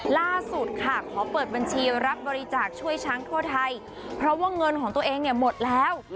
ล่าสุดค่ะขอเปิดบัญชีรับบริจาคช่วยช้างทั่วไทยเพราะว่าเงินของตัวเองเนี่ยหมดแล้ว